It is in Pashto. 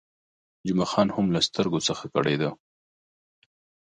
جمعه خان هم له سترګو څخه کړېده.